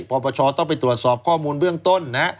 ปปชต้องไปตรวจสอบข้อมูลเบื้องต้นนะฮะ